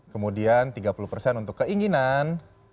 kemudian tiga puluh persen untuk keinginan